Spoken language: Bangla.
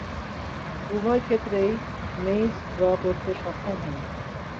উভয় ক্ষেত্রেই মেইস ড্র করতে সক্ষম হন।